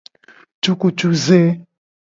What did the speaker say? Cukucuze.